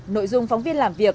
nội dung phóng viên làm việc